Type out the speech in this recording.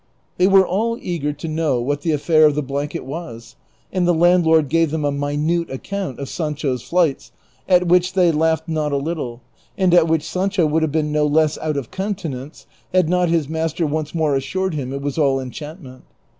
They were all eager to know what the affair of the blanket was, and the landlord gave them a, minute account of Sancho's flights, at which they laughed not a little, and at which Sancho would have been no less out of countenance had not his master once more assured him it was all enchantment.